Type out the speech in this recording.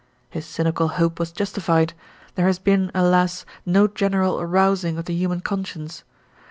His cynical hope was justified; there has been, alas! no general arousing of the human conscience.